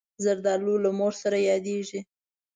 زردالو له مور سره یادېږي.